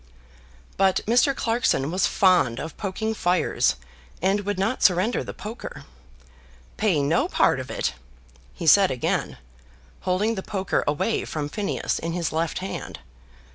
But Mr. Clarkson was fond of poking fires, and would not surrender the poker. "Pay no part of it!" he said again, holding the poker away from Phineas in his left hand.